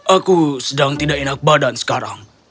aku sedang tidak enak badan sekarang